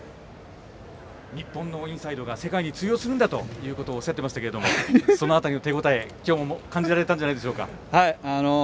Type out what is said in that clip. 日本のインサイドが世界に通用するんだということをおっしゃっていましたけどその辺りの手応えきょう感じられたのではないんでしょうか？